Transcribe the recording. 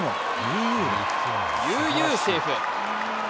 悠々セーフ。